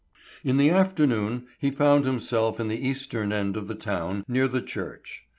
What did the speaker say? In the afternoon he found himself at the eastern end of the town near the church.